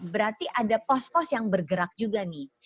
berarti ada pos pos yang bergerak juga nih